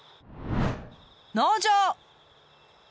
農場！